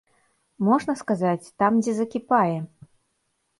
Можна сказаць, там дзе закіпае!